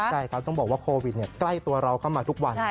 ใช่ครับต้องบอกว่าโควิดใกล้ตัวเราเข้ามาทุกวัน